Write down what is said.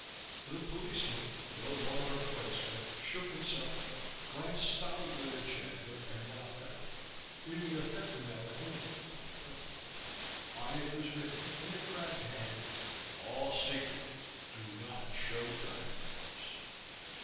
The policeman, no longer Koitska, shook himself, glanced stolidly at Chandler and walked out, leaving a thick manila envelope on the pillow. On it was written, in a crabbed hand: _All secret! Do not show diagrams!